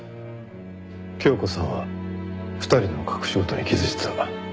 恭子さんは２人の隠し事に気づいてた。